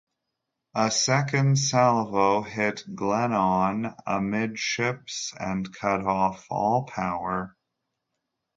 A second salvo hit "Glennon" amidships and cut off all power.